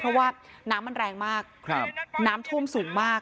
เพราะว่าน้ำมันแรงมากน้ำท่วมสูงมาก